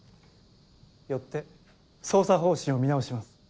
よって捜査方針を見直します。